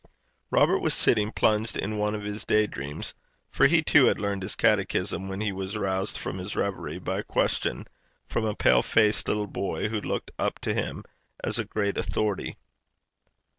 Robert was sitting plunged in one of his day dreams, for he, too, had learned his catechism, when he was roused from his reverie by a question from a pale faced little boy, who looked up to him as a great authority.